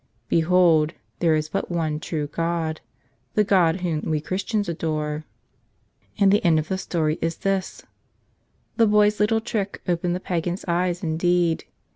Behold, there is but one true God, the God Whom we Chris¬ tians adore." And the end of the story is this: The boy's little trick opened the pagan's eyes indeed.